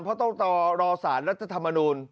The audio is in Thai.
เพราะต้องรอสารรัฐธรรมนูล